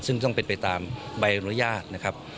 ซึ่งต้องเป็นไปตามใบอนุญาตนะครับ